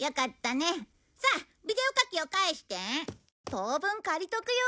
当分借りとくよ。